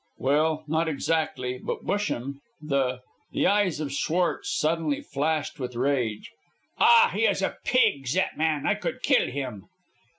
"Well, not exactly, but Busham, the " The eyes of Schwartz suddenly flashed with rage. "Ah, he is a pig, zat man. I could kill him."